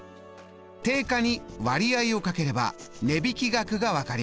定価に割合を掛ければ値引額が分かります。